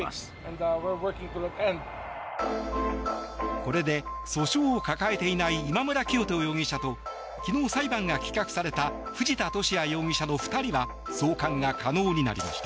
これで、訴訟を抱えていない今村磨人容疑者と昨日、裁判が棄却された藤田聖也容疑者の２人は送還が可能になりました。